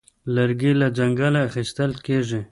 لرګی له ځنګله اخیستل کېږي.